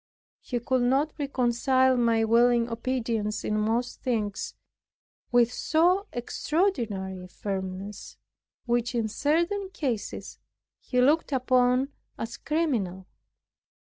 He could not reconcile my willing obedience in most things, with so extraordinary a firmness, which in certain cases he looked upon as criminal.